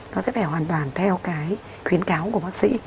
nó sẽ phải hoàn toàn theo cái khuyến cáo của bác sĩ